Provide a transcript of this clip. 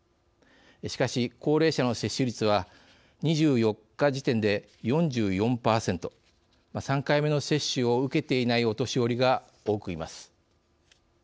しかし、高齢者の接種率は２４日時点で４４％３回目の接種を受けていないお年寄りが多くいます。